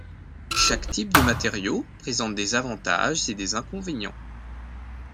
Chaque type de matériau présente des avantages et des inconvénients.